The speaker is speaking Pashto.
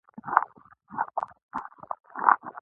احمد هر کار په ډېره حوصله ترسره کوي.